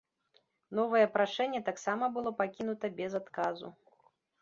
Новае прашэнне таксама было пакінута без адказу.